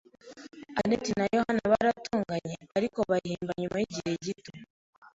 anet na Yohana baratonganye, ariko bahimba nyuma yigihe gito.